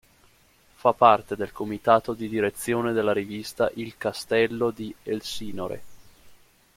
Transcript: Fa parte del comitato di direzione della rivista "Il castello di Elsinore".